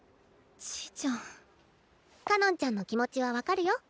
かのんちゃんの気持ちは分かるよ？